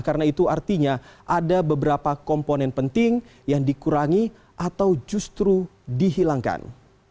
karena itu artinya ada beberapa komponen penting yang dikurangi atau justru dihilangkan